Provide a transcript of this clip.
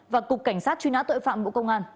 và cục cảnh sát truy nã tội phạm bộ công an